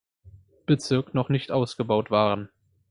Bezirk noch nicht ausgebaut waren.